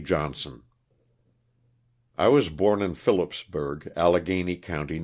JOHNSON. T WAS born in Philipsburg, Alleghany county, N.